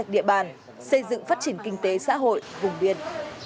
địa bàn xây dựng phát triển kinh tế xã hội vùng biên